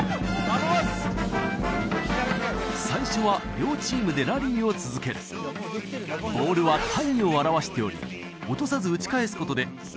最初は両チームでラリーを続けるボールは太陽を表しており落とさず打ち返すことで太陽の動きを維持する